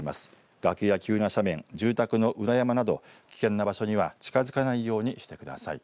崖や急な斜面、住宅の裏山など危険な場所には近づかないようにしてください。